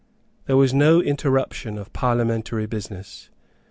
There was no interruption of parliamentary business.